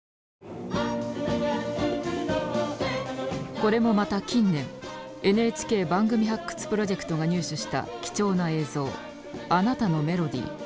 これもまた近年ＮＨＫ番組発掘プロジェクトが入手した貴重な映像「あなたのメロディー」。